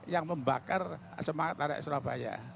yang membakar semangat arek surabaya